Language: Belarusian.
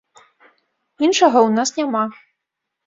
Іншага ў нас няма.